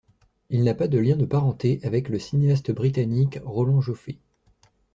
Il n'a pas de lien de parenté avec le cinéaste britannique Roland Joffé.